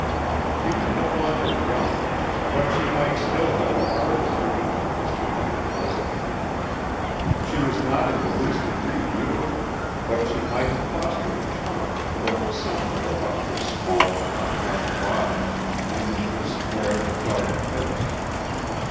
She was no longer young, but she might still have encouraged her youthfulness to linger pleasantly; she was not in the least degree beautiful, but she might have fostered a charm that lurked somewhere about her small, compact body and in her square, dark face.